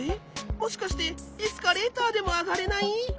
もしかしてエスカレーターでもあがれない！？